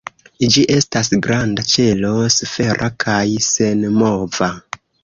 Ĝi estas granda ĉelo, sfera kaj senmova.